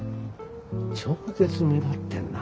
超絶目立ってんな。